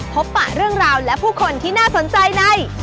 ปะเรื่องราวและผู้คนที่น่าสนใจใน